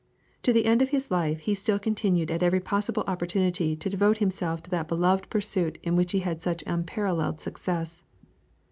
To the end of his life he still continued at every possible opportunity to devote himself to that beloved pursuit in which he had such unparalleled success.